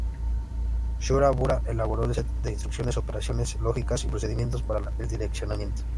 Shura-Bura elaboró el set de instrucciones, operaciones lógicas y procedimientos para el direccionamiento.